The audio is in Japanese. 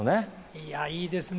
いや、いいですね。